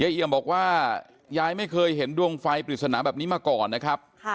เอี่ยมบอกว่ายายไม่เคยเห็นดวงไฟปริศนาแบบนี้มาก่อนนะครับ